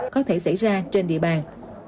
có thể xảy ra trên địa bàn